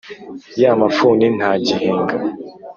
ya mafuni ntagihinga